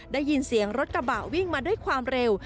ได้ยินเสียงรถกระบะวิ่งมาด้วยความเร็ว